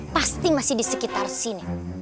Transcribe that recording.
pasti masih di sekitar sini